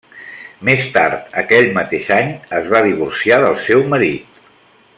Més tard, aquell mateix any, es va divorciar del seu marit.